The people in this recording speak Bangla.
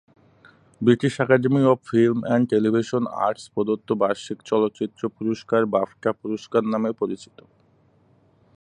British academy of film and television arts প্রদত্ত বার্ষিক চলচ্চিত্র পুরস্কার বাফটা পুরস্কার নামে পরিচিত।